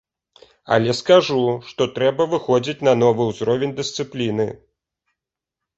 Але скажу, што трэба выходзіць на новы ўзровень дысцыпліны.